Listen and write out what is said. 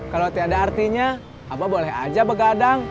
kalau tidak ada artinya apa boleh aja begadang